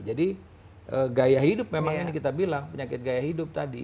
jadi gaya hidup memang yang kita bilang penyakit gaya hidup tadi